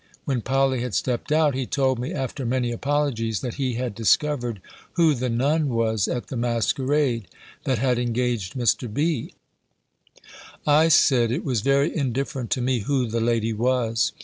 When Polly had stept out, he told me, after many apologies, that he had discovered who the nun was at the masquerade, that had engaged Mr. B. I said it was very indifferent to me who the lady was.